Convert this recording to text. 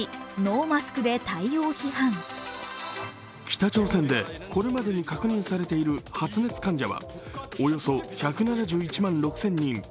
北朝鮮でこれまでに確認されている発熱患者はおよそ１７１万６０００人。